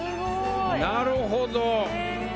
なるほど。